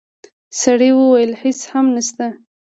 سړی وویل: هیڅ هم نشته.